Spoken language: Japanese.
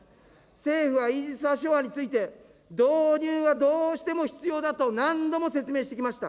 政府はイージス・アショアについて、導入はどうしても必要だと何度も説明してきました。